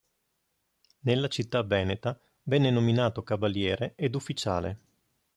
Nella città veneta venne nominato cavaliere ed ufficiale.